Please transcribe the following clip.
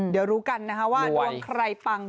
เดี๋ยวรู้กันนะคะว่าดวงใครปัง